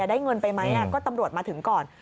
ได้เงินไปไหมก็ตำรวจมาถึงก่อน